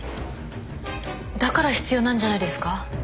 だから必要なんじゃないですか？